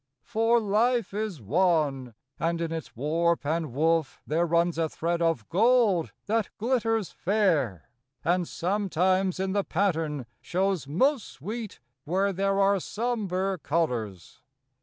For life is one, and in its warp and woof There runs a thread of gold that glitters fair, And sometimes in the pattern shows most sweet Where there are sombre colors.